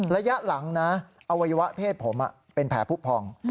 ระยะหลังนะอวัยวะเพศผมเป็นแผลผู้พอง